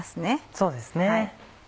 そうですね。